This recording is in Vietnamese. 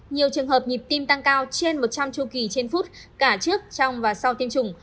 nhiều trường hợp nhịp tim tăng cao trên một trăm linh chu kỳ trên phút cả trước trong và sau tiêm chủng